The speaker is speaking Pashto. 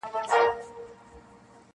دوی پښتون غزل منلی په جهان دی,